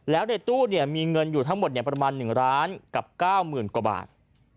แล้วในตู้มีเงินอยู่ทั้งหมดประมาณ๑ล้านกับ๙๐๐กว่าบาท